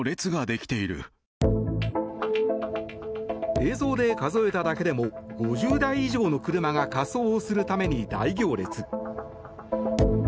映像で数えただけでも５０台以上の車が火葬をするために大行列。